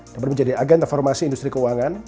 dapat menjadi agen transformasi industri keuangan